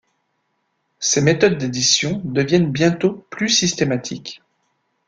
Ses méthodes d'édition deviennent bientôt plus systématiques.